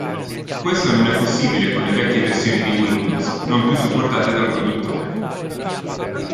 Questo non è possibile con le vecchie versioni di Windows, non più supportate dal produttore.